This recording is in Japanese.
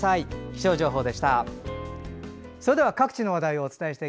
気象情報でした。